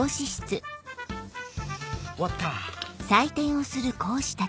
終わった。